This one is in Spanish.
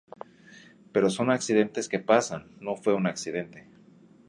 pero son accidentes que pasan. no fue un accidente.